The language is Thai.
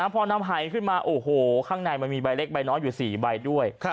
พอนำหายขึ้นมาโอ้โหข้างในมันมีใบเล็กใบน้อยอยู่๔ใบด้วย